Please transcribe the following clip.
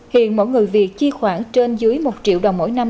hiện mỗi người việt chi khoảng trên dưới một triệu đồng mỗi năm